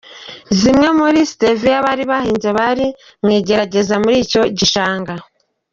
Zimwe muri Siteviya bari bahinze bari mu igerageza muri icyo gishanga.